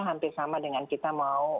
hampir sama dengan kita mau